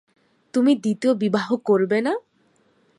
তুমি দ্বিতীয় বিবাহ করবে না?